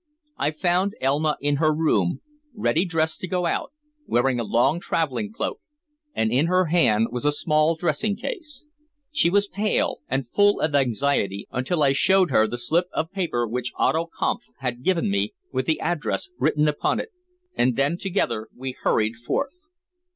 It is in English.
I found Elma in her room, ready dressed to go out, wearing a long traveling cloak, and in her hand was a small dressing case. She was pale and full of anxiety until I showed her the slip of paper which Otto Kampf had given me with the address written upon it, and then together we hurried forth.